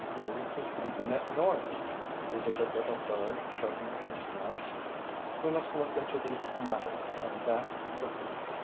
Who is making that noise? Is it a little bird chirping in his nest? We must look into the matter and that quickly.